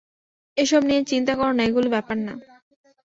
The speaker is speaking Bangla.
এসব নিয়ে চিন্তা করো না, এগুলো ব্যাপার না।